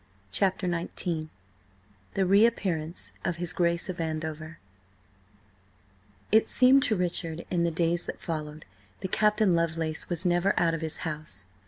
CHAPTER XIX THE REAPPEARANCE OF HIS GRACE OF ANDOVER IT seemed to Richard in the days that followed, that Captain Lovelace was never out of his house.